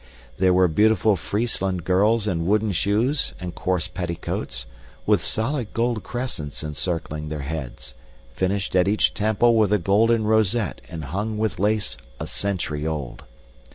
There were beautiful Friesland girls in wooden shoes and coarse petticoats, with solid gold crescents encircling their heads, finished at each temple with a golden rosette and hung with lace a century old.